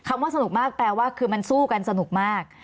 เพราะถ้าเข้าไปอ่านมันจะสนุกมาก